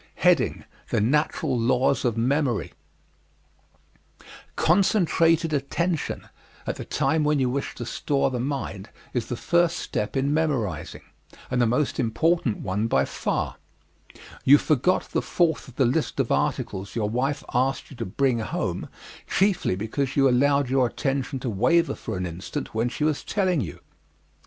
The Natural Laws of Memory Concentrated attention at the time when you wish to store the mind is the first step in memorizing and the most important one by far. You forgot the fourth of the list of articles your wife asked you to bring home chiefly because you allowed your attention to waver for an instant when she was telling you.